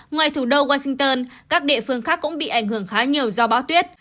ngoài thủ đô washington các địa phương khác cũng bị ảnh hưởng khá nhiều do báo tuyết